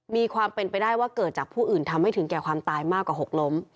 มีความเป็นไปได้ว่าเกิดจากผู้อื่นทำให้ถึงแก่ความตายมากกว่าหกล้ม